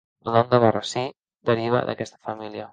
El nom d'Albarrasí deriva d'aquesta família.